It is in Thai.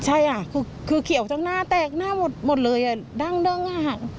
ใช่ค่ะคือเขี่ยวจากหน้าแตกหน้าหมดเลยดั้งเนื้อหน้าหัก